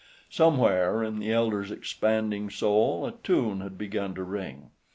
Somewhere in the elder's expanding soul a tune had begun to ring.